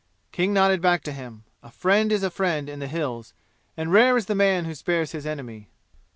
King nodded back to him. A friend is a friend in the "Hills," and rare is the man who spares his enemy.